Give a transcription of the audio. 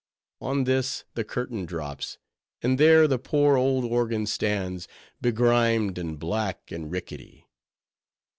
On this, the curtain drops; and there the poor old organ stands, begrimed, and black, and rickety.